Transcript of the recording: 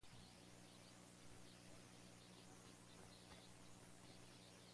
Desde muy temprana edad comenzó su carrera, con grupos de importancia artística.